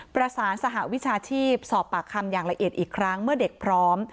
ประสานสหวิชาชีพสอบปากคำอย่างละเอียดอีกครั้งเมื่อเด็กพร้อม